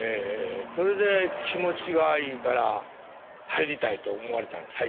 それで気持ちがいいから入りたいと思われたんですか。